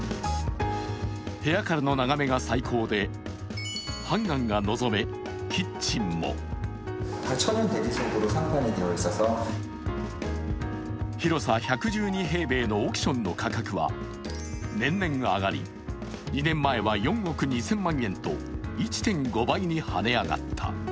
部屋からの眺めが最高で、ハンガンが望め、キッチンも広さ１１２平米の億ションの価格は年々上がり、２年前は４億２０００万円と１．５倍に跳ね上がった。